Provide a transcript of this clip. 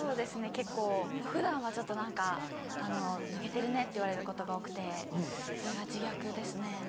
結構普段はちょっと何かあの抜けてるねって言われることが多くてそれが自虐ですね。